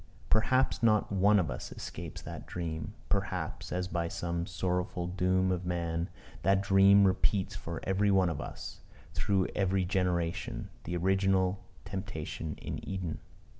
Perhaps not one of us escapes that dream; perhaps, as by some sorrowful doom of man, that dream repeats for every one of us, through every generation, the original temptation in Eden.